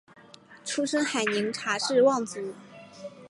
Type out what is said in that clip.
出身海宁查氏望族。